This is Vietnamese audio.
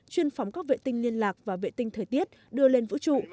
chuyên phóng các vệ tinh liên lạc và vệ tinh thời tiết đưa lên vũ trụ